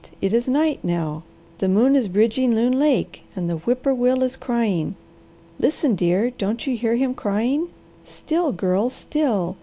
It is night now. The moon is bridging Loon Lake, and the whip poor will is crying. Listen, dear, don't you hear him crying? Still, Girl, still!